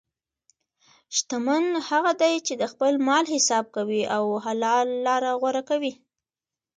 شتمن هغه دی چې د خپل مال حساب کوي او حلال لاره غوره کوي.